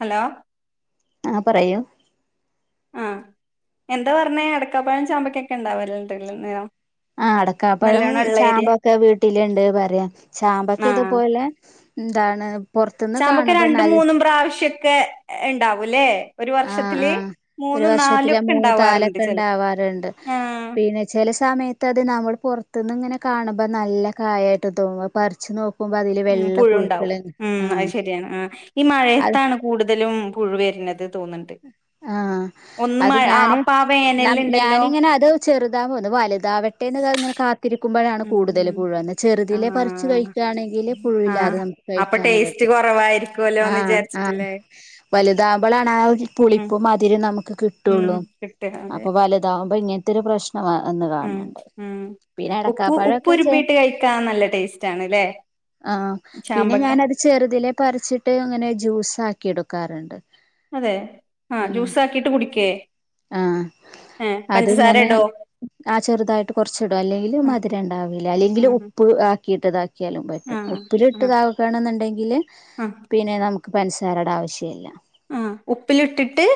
Hello ആഹ് പറയൂ പ ആ എന്താ പറഞ്ഞേ എടക്കാപ്പഴം ചാമ്പയ്ക്കൊക്കെ ഇണ്ടാവല്ലണ്ട് ല് ആ ആ അടക്ക പ്പയം ചാമ്പൊക്കെ വീട്ടില്ണ്ട് പറയാ ചാമ്പൊക്കെ ആഹ് ഇതുപോലെ എന്താണ് പൊറത്ത്ന്ന് ചാമ്പക്ക കാണുമ്പോ രണ്ടും നൽ മൂന്നും പ്രാവശ്യൊക്കെ ഇണ്ടാവൂല്ലേ ആഹ് ആഹ് ഒരു വർഷത്തില് ഒക്കെ മൂന്ന് ഉണ്ടാവാറുണ്ട് താലൊക്കെ ചെല ഇണ്ടാവാറിണ്ട്, ആഹ് പിന്നെ ചില സമയത്ത് അത് നമ്മ [unintelligible] പുറത്തുന്നി ങ്ങനെ കാണുമ്പോ നല്ല കായായിട്ട് തോന്നും പറിച്ചു നോക് ഉം പുഴുണ്ടാവും ഉം അത് ആഹ് ശരിയാണ് ആ ഈ മഴയത്താണ് കൂടുതലും പുഴു വരുന്നത് തോന്നുന്നുണ്ട് ആഹ ഒന്ന് അത് മഴ ആഹ് ഞാന് അപ്പ ആ വേനലുണ്ടല്ലോ ഞാനിങ്ങനെ അത് ചെറുതാ പോു വലുതാവട്ടേന്ന് ഇങ്ങനെ കാത്തി ക്കുമ്പോഴാണ് ഉം കൂടുതൽ ഉം പുഴു ചെറുതില പറച്ച് ആഹ് കഴിക്കുകയാണെങ്കിൽ പുഴുല്ലാതെ ആഹ് നമുക്ക് അപ്പൊ കഴിക്കാനും ടേസ്റ്റ് പറ്റും ആ കുറവായിരിക്കുവല്ലോന്ന് ആ വിചാരിച്ചിട്ടില്ലേ വലുതാവകുമ്പോഴാണ് ആ ഉം ഇപ്പതിരുന്ന ഉം കിട്ടുള്ളൂ കിട്ടും അതെ അപ്പൊ വലതാകുമ്പോ ഇങ്ങനെ ഇത്തി പ്രശ്ം ഒന്ന് ഉം കാണണണ്ട് ഉം പിന്നെ അ ഉപ്പ് ടക്കാപ്പഴൊക്കെ ഉപ്പുരുമ്പിയിട്ട് കഴിക്കാൻ നല്ല ടേസ്റ്റ് ആണ്ല്ലേ ആ പിന്നെ ചാമ്പക്ക ഞാനത് ചെറുതിലെ പറച്ചിട്ട് അങ്ങനെ ജ്യൂസ് ആക്കി എടുക്കും ആക്കാറുണ്ട് അതെ ആഹ് ഉ ജ്യൂസ് ആക്കിട്ട് കുടിക്കേ ആഹ ഏഹ് പഞ്ചസാര അത്ങ്ങനെ ഇടോ ആ ചെറുതായിട്ട് കുറച്ചിടും അല്ലെങ്കിൽ ഉം മധുരം ഉണ്ടാവില്ല അല്ലെങ്കിൽ ഉം ഉപ്പ് ആക്കി കിട്ടതാക്ക ആക്കിലും പ റ്റും ആഹ് ഉപ്പില ആഹ് ഇട്ട്ണ്ടെങ്കിൽ ആഹ് പിന്നെ നമു സാരട ആവശ്യമില്ല ആ ഉപ്പിലിട്ടിട്ട്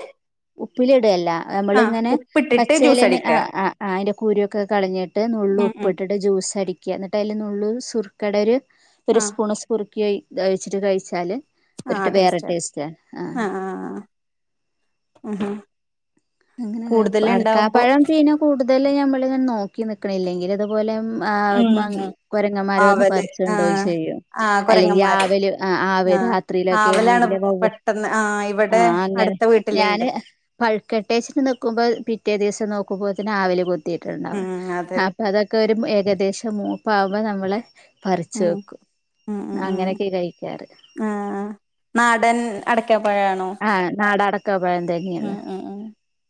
ഉപ്പിലി ഇടയല്ല ആഹ് നമ്മളിങ്ങനെ ഉപ്പിട്ടിട്ട് ജ്യൂസ് പച്ചേലേ അടിക്ക അതിന്റെ കൂരിയൊക്കെ കളഞ്ഞിട്ട് നള്ള് ഉം ഉപ്പി ഉം ഇട്ടിട്ട് ജ്യൂസ് അട ക്ക എന്നിട്ട് അതിൽ നുള്ളൂ സുക്കട ഒരു ഒരു ആഹ് സ്പൂണ് സുർക്ക ക്കി ഒഴിച്ചിട്ട് കഴിച്ചാല് ഒട്ട് വേറെ ടേസ്റ്റ് ആ ആഹാ അങ്ങനെ അടക്കാ പഴം പിന്നെ കൂടുത ഇതല്ലാം ഞമ്മൾ ഇങ്ങനെ നോക്കി നിൽക്കണം ഇല്ലെങ്കിൽ അതുപോലെ ആ ഉം ഉം കൊരങ്ങന്മാര വന്ന് ആവല് പറിച്ച് കൊണ്ടോയി ആഹ് ശരിയാണ് ആഹ് അല്ലെങ്കിൽ കുരങ്ങന്മാര് ആവല് ആ ആഹ് രാത്രിയിലൊക്കെ ആവലാണ് ആണെങ്കിൽ വവ്വാൽ പെട്ടെന്ന് ആഹ് ആ ഇവിടെ അങ്ങനെ അടുത്ത വീട്ടിലുണ്ട് ഞാന് പഴുത്ത നുമ്പോ പിറ്റേ ദിവസം നോക്കു മ്പോതിന്നു ആവല് കൊത്തി ഉം ത്തിട്ടുണ്ടാവും അത് അപ്പൊ അതൊക്കെ ഒരു ഏകദേശം മു പകുമ്പോ നമ്മളെ പറിച്ച് ഉം വെക്കും ഉം ഉം ഉം അങ്ങനെയൊക്കെ കഴിക്കാറ് ആഹ് നാടൻ അടക്കാപ്പഴാണോ ആ നാട അടക്ക പഴം തന്നെയള്ള ഉം ഉം ഉം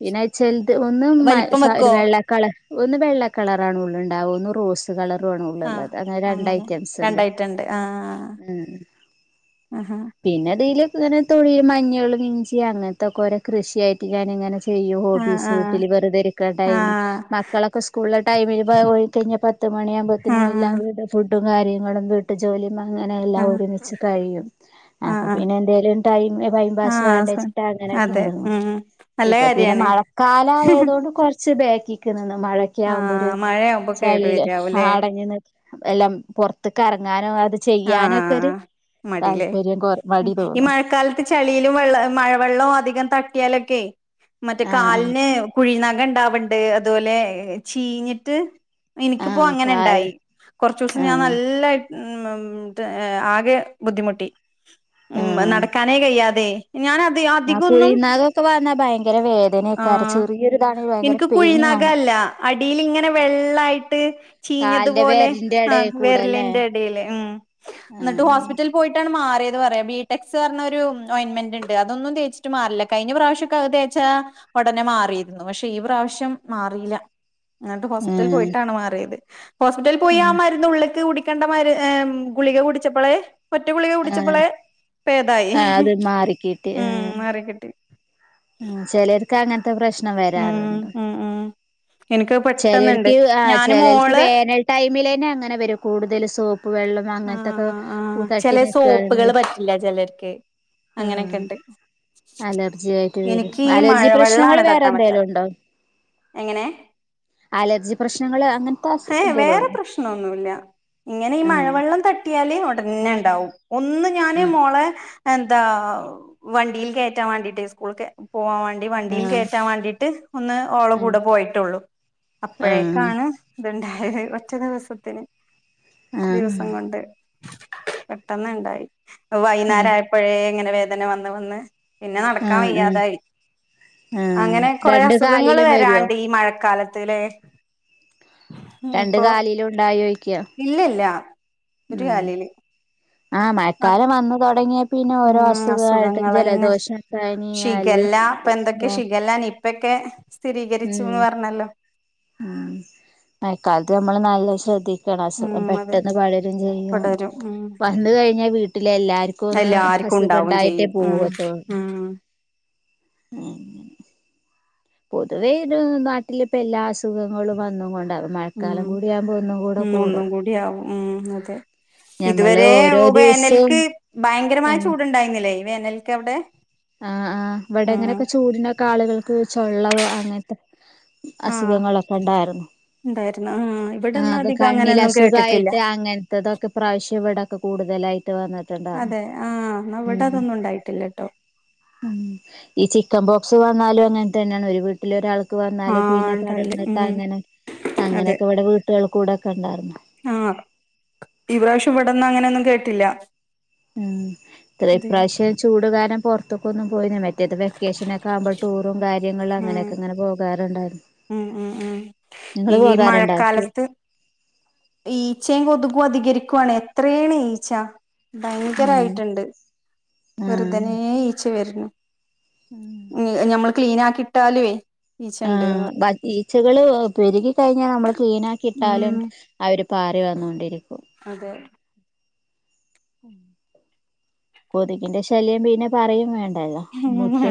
പിന്നാെച്ചൽ ഒും വലിപ്പം വെക്കുവോ വെള്ള കളർ ഒന്ന് വെള്ള കളറ ആണ ഉള്ളണ്ടാവ റോസ് കളർ ആഹ് ള്ളത് അങ്ങനെ രണ്ട് ഐറ്റംണ്ട് രണ്ടായിട്ടുണ്ട് ആഹ് ഉ ആഹ് പിന്നെ ഇതില് അങ്ങനെ തൊടി മഞ്ഞൾ ഇഞ്ചി അങ്ങനത്തെൊക്കെ ഓരോ കൃഷിയായിട്ട് പിക്കാന ഇങ്ങനെ ചെയ്യും ആഹ് ഹോബീസ് വീട്ടിൽ ആഹ് വെറുതരിക്കാ ടൈം മക്കളൊക്കെ സ്കൂളിലെ ടൈമില്കഴിഞ്ഞൽ പത്ത് ആഹ് മണിയകുമ്പോത്തന് എല്ലാം ഫു വും കാര്യങ്ങളും വീട്ട് ജോലി അങ്ങനെ എല്ലാം ആഹ് ഒരുമിച്ച് കഴിയും അപ്പൊ ആഹ് പിന്നെ എന്തേലും ടൈം ടൈം പാസ് വേണ്ട ആഹ് വെച്ചിട്ട് ആഹ് അങ്ങനൊക്കെ അതെ എറങ്ങും ഉം നല്ല ഇപ്പൊ പിന്നെ കാര്യാണ് മഴക്കാല ആയതോണ്ട് കൊറ്ച്ച് ക്കിക് ന്നിന്നൊ മഴക്കെ ആകുമ്പോ ഒരു ആഹ് മഴയാവുമ്പോ കേട് ചളിയില് വരാവൂല്ലേ ആടങ്ങി നി എല്ലാം പുറത്ത്ക്ക എറങ്ങാനും ആഹ് മടിലേ കൊ മടി ഈ തോന്നും മഴക്കാലത്ത് ചളിയിലും വെള്ള മഴവെള്ളവും അധികം തട്ടി ത്ത്യാലൊക്കെ മറ്റേ ആഹ് കാലിന് കുഴിനഖ ഉണ്ടാവണ്ട് അതുപോലെ ചീഞ്ഞിട്ട് എനിക്കിപ്പോ ആഹ് അങ്ങനെ കാല് ഉണ്ടായി കൊറച്ചൂ സം ഞാൻ ആഹ് നല്ല ഉം മം ന്ന് [unintelligible] എ ആകെ ബുദ്ധിമുട്ടി ഉം ആഹ് നടക്കാനേ കയ്യ്യാതെ ഞാൻ അത് ആഹ് അധികൊന്നും കുഴിനാഗൊക്കെ വന്നാ ഭയങ്കര വേദനയൊക്കാരം ആഹ് ചെറിയൊരിതാണെങ്കി ഭയങ്കര ഇൻക്ക് പെയിന് കാണാം കുഴിനഖല്ല അടിൽ ഇങ്ങനെ വെള്ളായിട്ട് കാലിന്റെ ചീഞ്ഞതുപോലെ വിരലിന്റെ ആ എടേ കൂടെല്ലേ വെര്ലിന്റെ എടേല് ഉം ന്നിട്ട് ആഹ് ഹോസ്പിറ്റലിൽ പോയിട്ടാണ് മാറിയത് പറയാ ബിടെക്സ് പറഞ്ഞ ഒരുയിന്റ്മെന്റ് ഉണ്ട് അതൊന്നും തേച്ചിട്ട് മാറില്ല കഴിഞ്ഞ പ്രാവശ്യ ഒക്കെ അത് തേച്ചാ ഉടനെ മാറിയിരുന്നു പക്ഷെ ഈ പ്രാവശ്യം മാറില്ല ങ്ങോട്ട് ഹോസ്പിറ്റൽ ആഹ് പോയിട്ടാണ് മാറിയത് ഹോസ്പിറ്റൽ പോയി ആ ആഹ് മരുന്നു ഉള്ള്ക്ക് കുടി ക്കണ്ടമാര് എ ഉം ഗുളിക കുടിച്ചപ്പളേ ഒറ്റപുളികെ ആഹ് കുടിച്ചപ്പളെ പേതായി ആഹ് ഹ് അത് ഹ് ഉം മാറിക്കിട്ടി ഉം ചെലർക്ക് അങ്ങനെ ത്തപ്രശ്നം ഉം വരാറ്ണ്ട് ഉം ഉം എനിക്ക് പെട്ടെന്നുണ്ട് ചെലല്ക്ക് ആ ഞാന് ചെലല്ക്ക് മോള് വേനൽ ടൈമ വര് കൂടുതൽ സോപ്പ് വെള്ളം അങ്ങനത്തൊക്കെ ആഹ് ആഹ് ചില തട്ടി നിക്കാണ് സോപ്പുകൾ പറ്റില്ല ചെലർക്ക് ആ അങ്ങനെക്കെ ഇണ്ട് എനിക്ക് ഈ അലോജി പ്രശ്നങ്ങൾ മഴവെള്ളാണ് തട്ടാൻ പറ്റാ വേറെന്തേലു ഉണ്ടാ എങ്ങനെ അലർജി പ്രശ്നങ്ങൾ ഏ വേറെ പ്രശ്നൊന്നുല്ല ഇങ്ങനെ ഈ ആ മഴവെള്ളം തട്ടിയാല് ഒടനെ ഉണ്ടാവും ഒന്ന് ഞാന് മോളെ എന്താ വണ്ടിയിൽ കയറ്റാൻ വേണ്ടിട്ട് സ്കൂൾ ക്കേ പോവാൻ വേണ്ടി ആ ആ വണ്ടിയിൽ കേറ്റാൻ വേണ്ടീട്ട് ഒന്ന് ഓളെ കൂടെ പോയിട്ടുള്ളൂ ആ അപ്പോഴേക്കാണ് ഉണ്ടായത് ഒറ്റ ദിവസത്തിന് ആ ആ ദിവസം കൊണ്ട് പെട്ടെന്ന് ഇണ്ടായി ആ ആ വൈനേര ആയപ്പഴേ ഇങ്ങനെ വേദ അങ്ങനെ വന്ന് വന്ന് പിന്നെ നടക്കാൻ ആ വയ്യാതായി ആ അങ്ങനെ കൊറെേ രണ്ട് അസുഖങ്ങള് കാലിലും വരുവോ വരാണ്ട് ഈ മഴക്കാലത് ത്തിലേ രണ്ട് കാലിലും ഉണ്ടായോ ഇല്ലല്ല ഒരു കാലില് ആഹ് മഴക്കാലം വന്ന് തൊടങ്ങിയ പിന്നെ ഓരോ ഉം അസുഖായിട്ടും അസുഖങ്ങളന്നെ ജലദോഷം പനിയാല് ഷിഗല്ല ഇപ്പൊ [unintelligible] എന്തൊക്കെ ഷിഗല്ല നിപ്പയൊക്കെ ഉം സ്ഥിരീകരിച്ചുന്ന് പറഞ്ഞല്ലോ ഉം മഴക്കാലത്ത് [unintelligible] നമ്മള് നല്ലോം ശ്രദ്ധി ണം അസുഖം ഉം അതെ പെട്ടെന്ന് പടരും ചെയ്യും പടരും ഉം വന്ന് കഴിഞ്ഞാ വീട്ടിലെ എല്ലാർക്കാെന്ന് എല്ലാർക്കും ഉണ്ടാവും അസുഖണ്ടായിട്ടേ ചെയ്യും ഉം പോവത്തോ ഉം ങ്ങനെ പൊതുവേ ഇത് നാട്ടില് പ്പ എല്ലാ അസുഖങ്ങളും വന്നും കൊ ണ്ട ഉം മഴക്കാലം കൂടിയാവുമ്പ ഒന്നും കൂടെ ഉം ഒന്നും കൂടും കൂടി ആവും ഉം അതെ ഞമ്മള് ഇതുവരേ ഓരോ ഉ ദിവസവും വേനൽക്ക് ഭയങ്കരമായ ചൂട്ണ്ടായ്ന്ന്ല്ലേ വേനൽക്കവ്ടെ ആ ആ ഇവ്ടെങ്ങനൊക്കെ ചൂട്നൊക്കെ ആള്കൾക്ക് ചൊള്ളവ അങ്ങൻത്തെ ആഹ് അസുഖങ്ങളൊക്കെ ണ്ടായ്ര്ന്നു ഉണ്ടായിരുന്നു ആഹ് ആ ഇവിടെന്നും അക് അധികം അങ്ങനെയൊന്നും കേട്ടിട്ടില്ല കണ്ണിലസുഖായിട്ട് അങ്ങൻത്തതൊക്കെ ഇപ്രാവശ്യം ഇവിടെക്കെ കൂട്തലായ് അതെ ആ ന്നാ ഇവ്ടെ ഉം അതൊന്നും ഉണ്ടായ്ട്ട്ല്ലട്ടോ ഉം ഈ ചിക്കൻ ബോക്സ് വന്നാലും അങ്ങൻതന്നാണ് ഒര് വീട്ടിലൊരാൾ ക്ക് വന്നാല് ആഹ് പിന്നെ ഉണ്ടായില്ല ഉം പടർന്ന്ട്ടങ്ങനെ അതെ അങ്ങനെയൊക്കെ ഇവിടെ വീട്ട്കൾ കൂടൊക്കെണ്ടായ്ര്ന്ന് ആഹ് ട്ട്ല്ല്യ ഉം ത് ഇപ്രാശ്യം ചൂട് കാരം പാെർ ത്ത്ക്കാെന്നും പോയി [unintelligible] മറ്റെത് വെക്കേഷനക്കെ ആക്മ്പ ടൂറും കാര്യങ്ങളും ഉം അങ്ങനെക്കെങ്ങനെ പോകാറ്ണ്ടായ്ര്ന്നു ഉം ഉം ഉം ഈ പോകാറുണ്ടായിരുന്നു മഴക്കാലത്ത് ഈച്ചയും കൊത്ക്കും പ്രതികരിക്കുവാണ് എത്രണ് ഈച്ച ഉം ഭയങ്കരായിട്ടുണ്ട് വെറുതനെ ഈച്ച വരുന്നു ഉം ഞമ്മള് ക്ലീൻ ആക്കിട്ടാലുവേ ആ ഈച്ചണ്ട്ന്ന് പറയും ബാക്കി ഈച്ചകള് പെരുകി കഴിഞ്ഞാ നമ്മള് ക്ലീനാക്കിയിട്ടാലും ഉം അവര് പാറി വന്നോണ്ടിരിക്കും അതെ ഉം കൊതുകിന്റെ ശല്യം പിന്നെ പറയും വേണ്ട എല്ലോ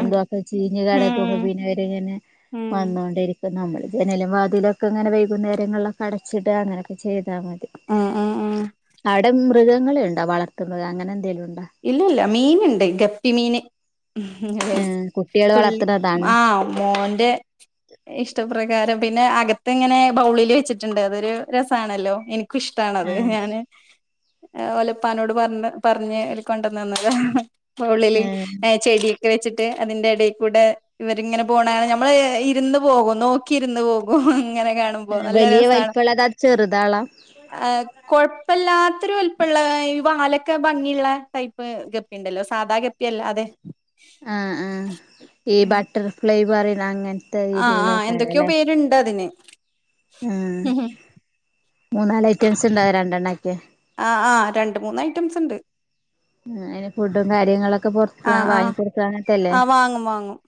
ഉണ്ട് ചീഞ്ഞ് കിടക്കുമ്പോ ഉം പിന്നെ അവരിങ്ങനെ ഉം വന്നൊണ്ടിരിക്കും നമ്മൾ ജനൽ വാതിലൊക്കെ ങ്ങനെ വൈകുന്നേരങ്ങൾലൊക്കെ അടച്ചിട ങ്ങനെക്കെ ചെയ് ട്ടാ മതി ഉം ഉം ഉം അവിടെ മൃഗങ്ങളെ ണ്ടാ വളത്തുമൃഗ അങ്ങനെന്തേലും ഉണ്ടോ ഇല്ല ഇല്ല മീന്ണ്ട് ഗപ്പിമീന് ഏഹ് കുട്ടികള് തുള്ളി വളർത്തുന്നതാണ് മാ മോന്റെ ഇഷ്ടപ്ര വേറെ പിന്നെ അകത്ത് ഇങ്ങനെ ബൗളില് വെച്ചിട്ടുണ്ട് അതൊരു രസാണല്ലോ എനി ഇഷ്ടാണത് ആഹ് ഞാന് ആ വലപ്പാനോട് പറഞ്ഞ പറഞ്ഞ് കൊണ്ടന്നന്നത് ബൗളില് ആഹ് എ ചെടിയൊക്കെ വെച്ചിട്ട് അതിന്റെ ഇടയി കൂടെ ഇവരിങ്ങനെ പോകണ നമ്മൾ ഇരുന്ന് പോകും നോക്കി ഇരുന്ന് പോകും ഇങ്ങനെ ഏണുമ്പോ നല്ല വലിയ രസാണ് വലിപ്പമുള്ളത് അത് ചെറുതാളാ ആ കൊയപ്പല്ലാത്തരു വൽപള്ള ഈ വാലൊക്കെ ഭംഗിയുള്ള ട്ടയ്‌പ്പ് ഗപ്പിണ്ടല്ലോ സാദാ ഗപ്പി അല്ലാതെ ആ ആ ഈ ബട്ടർഫ്ലൈ വറി ലാങ്ങൻ ആആ് എന്തൊക്കെയോ പേരുണ്ട് അതിന് ആ മൂന്നാ ല് ഐറ്റംസ് ണ്ടാവോ രണ്ടെണ്ണാകി ആ ആ രണ്ട് മൂന്ന് ഐറ്റംസ് ണ്ട് ഉ് അയിന് ഫുഡും കാര്യങ്ങളൊക്ക പുറ ആ ആ ആ വാങ്ങും വാങ്ങും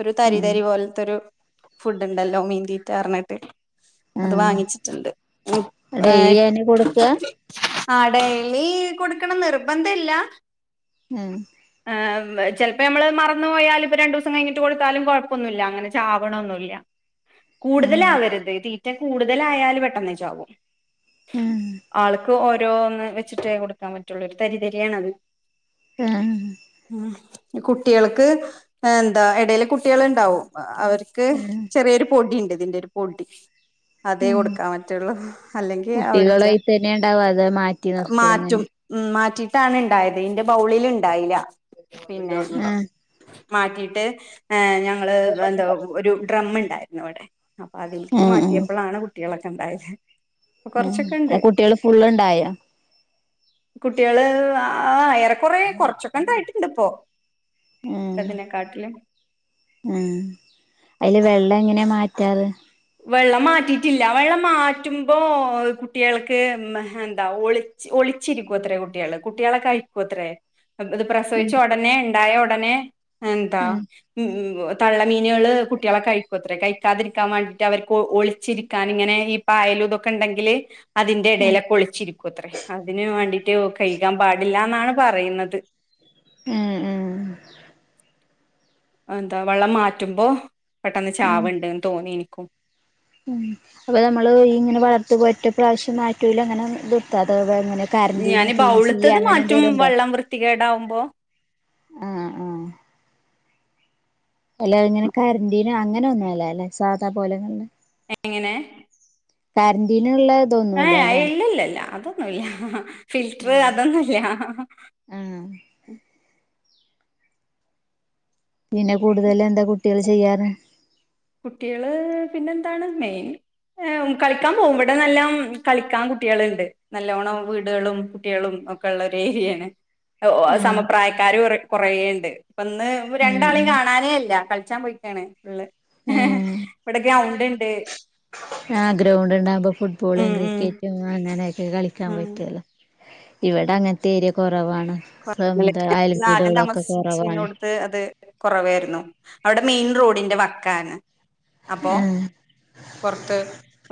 ഒരു തരി ഉം തരി പോൽത്തെരു ഫുഡ് ണ്ടല്ലോ മീന്തീറ്റ ർഞ്ഞിട്ട് അത് ആഹ് വാങ്ങിച്ചിട്ടുണ്ട് ഡെയിലി അയിന് കൊടുക്ക ആ ഡൈലി കൊടുക്കണം നിർബ- വെന്തില്ല ഉം ആഹ് ചെലപ്പോ നമ്മള് മറന്നു പോയാല് ഇപ്പ രണ്ട് ദിവസം കഴിഞ്ഞിട്ട് കൊടുത്താലും കോഴപ്പൊന്നുമില്ല അങ്ങനെ ചാവണൊന്നുമില്ല ഉം കൂടുതല് ആവരുത് തീ- മറ്റേ കൂടുതലായാല് പെട്ടെന്ന് ചാകും ഉം ആൾക്ക് ഒര- ഓരോന്ന് വെച്ചിട്ട് കൊടുക്കാൻ പറ്റുള്ളൂ ഒരു തരി തരിയാണത് ആഹ് ഉം കുട്ടികൾക്ക് എന്താ എടയില് കുട്ടികൾ ഇണ്ടാവും ഒപ്പം അവർക്ക് ഉം ചെറിയൊരു പൊടിയുണ്ട് ഇതിന്റെ ഒരു പൊടി അതേ ഉം കൊടുക്കാൻ പറ്റുള്ളൂ അല്ലെങ്കിൽ അവര് ചാ കുട്ടികളായി തന്നെ ഉണ്ടാവ അതോ മാറ്റി നിർത്ത മാറ്റും എങ്ങനെ മാറ്റി ട്ടാണ് ഇണ്ടായത് ഇന്റെ ബൗളില് ഇണ്ടായില്ല. ഉം മാറ്റിയിട്ട് ഏഹ് ഞങ്ങള് എന്താ ഒരു ഡ്രം ഇണ്ടായിരുന്നു നോടെ അപ്പൊ അതിൽക്ക് മാറ്റിയപ്പളാണ് കുട്ടികള് ഇണ്ടായേ ഏഹ് [unintelligible] കുട്ടികള് ഫുള്ളുണ്ടായോ കുട്ടികള് ആ ഏറക്കുറെ കുറച്ചൊക്ക് ഒണ്ടായിട്ടുണ്ടിപ്പോ ഉം ഉം അതില് വെള്ള എങ്ങനെ മാറ്റ് മാറ്റാറ് വെള്ളം മാറ്റിയിട്ടില്ല വെള്ളം മാറ്റുമ്പോ കുട്ടികൾക്ക് എന്താ ഒളിച്ച് ഒളിച്ചിരിക്കുവത്രേ കുട്ടികള് കുട്ടികളെ കഴിക്കുവത്രേ പ് ഇത് ഉം പ്രസവിച്ച ഒടനെ ഇണ്ട് ഉണ്ടായ ഒടനെ എന്താ ഉം [unintelligible] തള്ള മീനുകള് കുട്ടികളെ കഴിക്കുത്രേ കഴിക്കാതിരിക്കാൻ വേണ്ടി അവര്ക്ക് ഒളിച്ചിരിക്കാൻ ഇങ്ങനെ ഈ പായലും ഇതൊക്കെ ഇണ്ടെങ്കില് അതിന്റെ ഉം ഇടയിലൊ കൊളിച്ചിരിക്കൂത്രേ അതിന് വേണ്ടി മറ്റോ കഴികാൻ പാടില്ലന്നാണ് പറയുന്നത് ഉം ഉം എന്താ വെള്ളം മാറ്റുമ്പോ പെട്ടെന്ന് ഉം ചാവിണ്ട് തോന്നി എനിക്കും ഉം അപ്പ നമ്മള് ഇങ്ങനെ വളർത് ഒറ്റ പ്രാവശ്യം നാറ്റൂല അങ്ങനെ നിർത്താതെ ഞാന് ബൗള്ത്തത് മാറ്റും ഉണ്ടോ വള്ളം വൃത്തികേടാവുമ്പോ ആഹ് ആഹ് അല്ല ഇങ്ങനെ കര്ന്റിന് അങ്ങനെ ഒന്നല്ലെല്ലെ സാദാ പോലെ എങ്ങനെ കര്ന്റിൻ ഇങ്ങനേള്ളെ ഇതൊന്നുല്ലല്ലെ ന്നുല്ലാ ഫിൽറ്റ്റ് അതൊന്നും ല്ല ആഹ് പിന്നെ കൂടുതല് എന്താ കുട്ടികള് ചെയ്യാറ് കുട്ടികള് പിന്നെ എന്താണ് മെയ്ൻ കളിക്കാൻ പോകും ഇവിടെ നല്ലോം കളിക്കാൻ കുട്ടികള്ണ്ട് നല്ലോണം വീട്കളും കുട്ടികളും ഒക്കെ ഉള്ളോരു ഏരിയാണ് ആഹ് സമപ്രായക്കാരാണ് കൊറേണ്ട് ഇപ്പ ഇന്ന് ആഹ് രണ്ടാളീം ആഹ് കാണാനേ ഇല്ല കൾച്ചാൻ പോയ്ക്കാണ് ൾ ഇവ്ടെ ഗൗണ്ട്ണ്ട് ആ ഗ്രൗണ്ട് ഉണ്ടാകുമ്പോ ഫുട്ബോള് ഉം ക്രിക്കറ്റും അങ്ങനെ കളിക്കാൻ ഉം പറ്റൊള്ളൂ ഇവടെ അങ്ങനത്തെ ഏരിയ കൊറവാണ്. [unintelligible] ആദ്യം കുറവാണ് താമസിച്ചിന്നോടത്ത് അത് കൊറവേയിരുന്നു. അവിടെ മെയിൻ റോഡിന്റെ വക്കാണ്. അപ്പോ ആഹ് പൊറത്ത്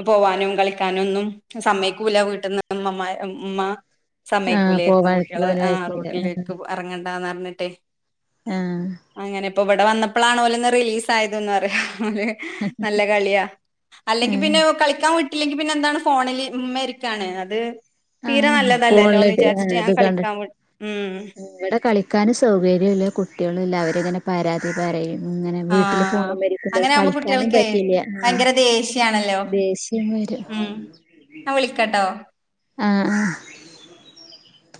പോവാനും കളിക്കാനൊന്നും സമ്മയിക്കൂല വീട്ടിന്ന് [unintelligible] ഉമ്മ. ആഹ് സമ്മയ്ക്കൂലായിരുന്നു പോകാൻ കുട്ടികള് ആ വരാൻ റോട്ടിലേക്ക് എറങ്ങേണ്ട എന്ന് പറഞ്ഞിട്ട് ആഹ് അങ്ങനെ ഇപ്പൊ ഇവ ഇവിടെ വന്നപ്പോഴാണോലോന്ന് റിലീസ് ആയതെന്ന് പറയാ. അതേ നല്ല കളിയാ. അല്ലെങ്കി ആഹ് പിന്നെ കളിക്കാൻ വി ട്ടില്ലെങ്കിൽ പിന്നെ എന്താണ് ഫോണില് മേ രിക്കാണ്. അത് തീരെ ആഹ് നല്ലതല്ലല്ലോന്ന് ഫോണിലോട്ട് വിചാരിച്ചിട്ട് ഞാൻ കളിക്കാൻ വി [unintelligible] ഉം ഇവിടെ കളിക്കാനും സൗകര്യല്ല കുട്ടിയോ [unintelligible] അവരിങ്ങനെ പരാതി പറയും. ഇങ്ങനെ ആ വീട്ടില് ഫോണുമ്മരിക്കുമ്പോ അങ്ങനെ ആവുമ്പോ കളിക്കാനും കുട്ടികൾക്ക് പറ്റില്ല ആഹ് ഭയങ്കര ദേഷ്യാണല്ലോ ദേഷ്യം വരും ഉം ഞാൻ വിളിക്കട്ടോ ആ ആ